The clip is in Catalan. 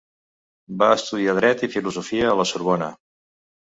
Va estudiar dret i filosofia a la Sorbona.